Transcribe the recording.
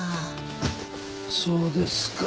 そうですか。